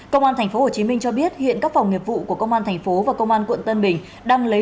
công an tp hcm cho biết hiện các phòng nghiệp vụ của công an thành phố và công an quận tân bình đang lấy